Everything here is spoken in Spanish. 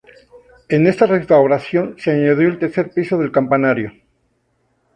En esta restauración se añadió el tercer piso del campanario.